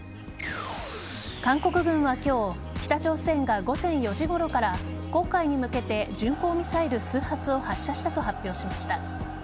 韓国軍は今日北朝鮮が午前４時ごろから黄海に向けて巡航ミサイル数発を発射したと発表しました。